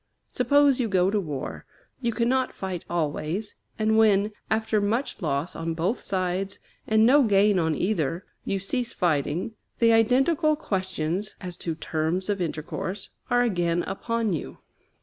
Suppose you go to war, you cannot fight always; and when, after much loss on both sides and no gain on either, you cease fighting, the identical questions as to terms of intercourse are again upon you.